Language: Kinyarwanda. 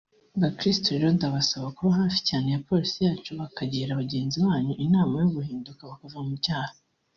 Bakirisitu rero ndabasaba kuba hafi cyane ya Polisi yacu mukagira bagenzi banyu inama yo guhinduka bakava mu byaha